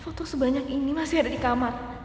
foto sebanyak ini masih ada di kamar